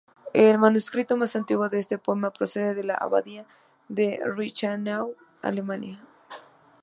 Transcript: El manuscrito más antiguo de este poema procede de la Abadía de Reichenau, Alemania.